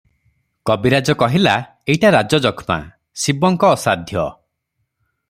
କବିରାଜ କହିଲା, ଏଇଟା ରାଜଯକ୍ଷ୍ମା - ଶିବଙ୍କ ଅସାଧ୍ୟ ।